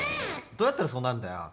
どうやったらそうなんだよ。